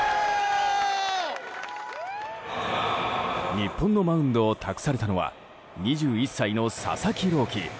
日本のマウンドを託されたのは２１歳の佐々木朗希。